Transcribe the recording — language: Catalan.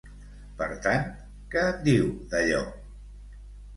Per tant, què en diu d'allò?